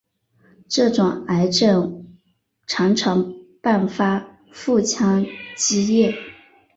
这种癌症常常伴发腹腔积液。